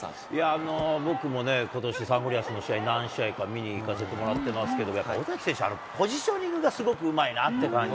いやー、僕もね、ことし、サンゴリアスの試合、何試合か見に行かせてもらってますけれども、尾崎選手、ポジショニングがすごくうまいなって感じ。